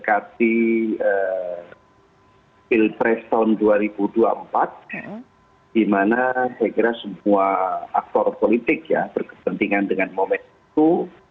mendekati pilpres tahun dua ribu dua puluh empat di mana saya kira semua aktor politik ya berkepentingan dengan momen itu